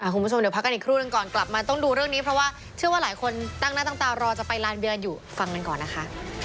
คุณผู้ชมเดี๋ยวพักกันอีกครู่หนึ่งก่อนกลับมาต้องดูเรื่องนี้เพราะว่าเชื่อว่าหลายคนตั้งหน้าตั้งตารอจะไปลานเบียนอยู่ฟังกันก่อนนะคะ